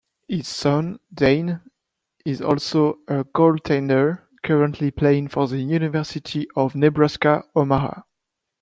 His son, Dayn, is also a goaltender, currently playing for the University of Nebraska-Omaha.